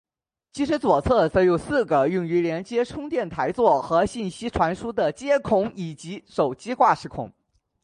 机身左侧则有四个用于连接充电台座和信息传输的接孔以及手机挂饰孔。